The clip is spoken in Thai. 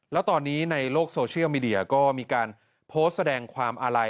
แล้วตอนนี้ในโลกโซเชียลมีเดียก็มีการโพสต์แสดงความอาลัย